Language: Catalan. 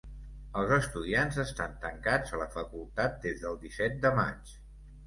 Els estudiants estan tancats a la facultat des del disset de maig.